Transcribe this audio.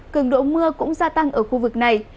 cường độ mưa cũng gia tăng ở khu vực này